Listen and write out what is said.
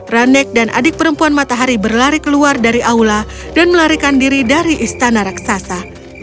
ranek dan adik perempuan matahari berlari keluar dari aula dan melarikan diri dari istana raksasa